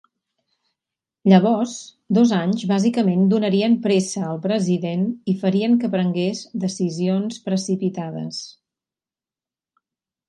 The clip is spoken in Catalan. Llavors, dos anys bàsicament donarien pressa al president i farien que prengués decisions precipitades.